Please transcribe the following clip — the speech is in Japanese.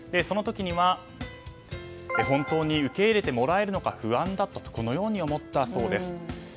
その時には、本当に受け入れてもらえるのか不安だったこのように思ったそうです。